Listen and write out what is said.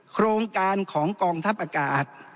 โครงการของกองทัพอากาศ